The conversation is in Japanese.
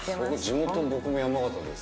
地元僕も山形です。